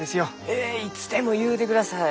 えいつでも言うてください。